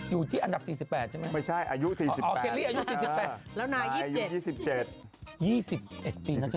อยู่ที่อันดับ๔๘ใช่ไหมไม่ใช่อายุ๔๘